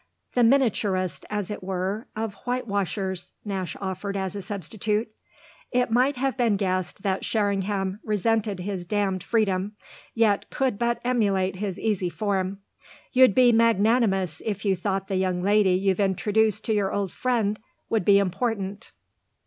"The miniaturist, as it were, of whitewashers!" Nash offered as a substitute. It might have been guessed that Sherringham resented his damned freedom, yet could but emulate his easy form. "You'd be magnanimous if you thought the young lady you've introduced to our old friend would be important."